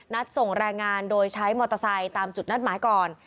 ส่งแรงงานโดยใช้มอเตอร์ไซค์ตามจุดนัดหมายก่อน